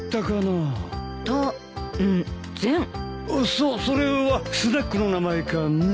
そっそれはスナックの名前かなあ？